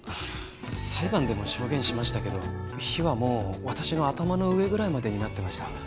裁判でも証言しましたけど火はもう私の頭の上ぐらいまでになってました